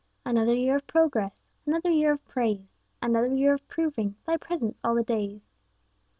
Another year of progress, Another year of praise; Another year of proving Thy presence 'all the days.'